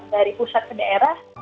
dari pusat ke daerah